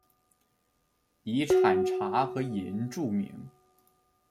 以产茶和银著名。